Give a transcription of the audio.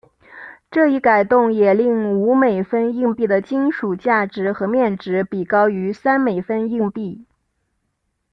这一改动也令五美分硬币的金属价值和面值比高于三美分硬币。